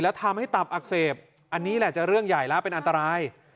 แล้วทำให้ตับอักเสบอันนี้แหละจะเรื่องใหญ่แล้วเป็นอันตราย